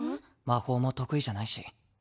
魔法も得意じゃないし。